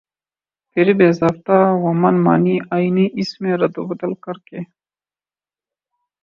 پھر بےضابطہ ومن مانی آئینی اس میں ردوبدل کرکے